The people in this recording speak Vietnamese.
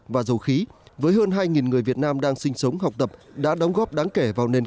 và dầu khí với hơn hai người việt nam đang sinh sống học tập đã đóng góp đáng kể vào nền